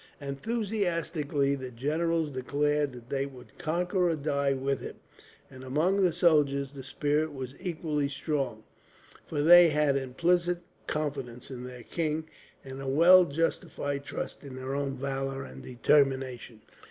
Enthusiastically, the generals declared that they would conquer or die with him; and among the soldiers the spirit was equally strong, for they had implicit confidence in their king, and a well justified trust in their own valour and determination.